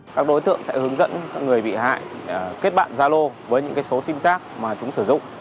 các đối tượng sẽ hướng dẫn người bị hại kết bạn gia lô với những số sim giác mà chúng sử dụng